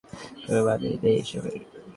কোনো মানেই নেই এসবের!